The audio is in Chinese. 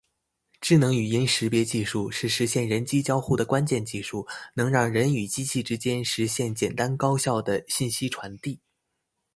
智能语音识别技术是实现人机交互的关键技术，能让人与机器之间实现简单高效的信息传递。